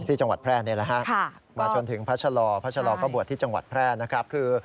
ที่จังหวัดแพร่นี่แหละฮะมาจนถึงพระชะลอพระชะลอก็บวชที่จังหวัดแพร่นะครับคือ